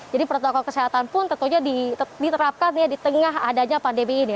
jadi protokol kesehatan pun tentunya diterapkan di tengah adanya pandemi ini